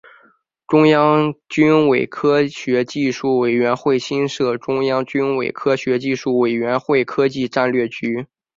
中央军委科学技术委员会新设中央军委科学技术委员会科技战略局。